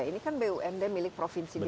ini kan bumd milik provinsi dki